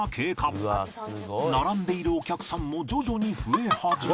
並んでいるお客さんも徐々に増え始め